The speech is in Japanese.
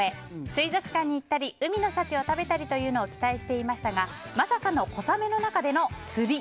水族館に行ったり海の幸を食べたりというのを期待していましたがまさかの小雨の中での釣り。